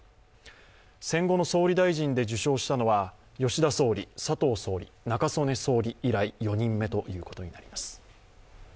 戦後の総理大臣で受章したのは、吉田総理、佐藤総理、中曽根総理以来４人目となります。